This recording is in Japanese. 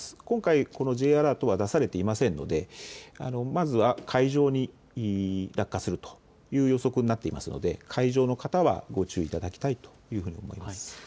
今回Ｊアラートは出されていませんので、まずは海上に落下するという予測になっていますので海上の方はご注意いただきたいと思います。